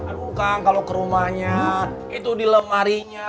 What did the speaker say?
aduh kang kalau ke rumahnya itu di lemarinya